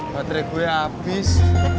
baterai gue abis